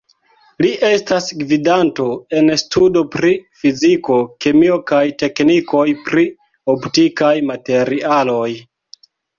Li estas gvidanto en studo pri fiziko, kemio kaj teknikoj pri optikaj materialoj.